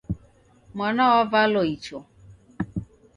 Mwana wavalo icho